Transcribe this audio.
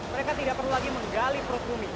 mereka tidak perlu lagi menggali perut bumi